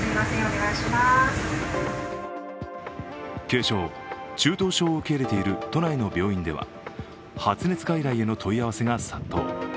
軽症、中等症を受け入れている都内の病院では発熱外来への問い合わせが殺到。